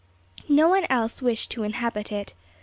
No one else wished to inhabit it.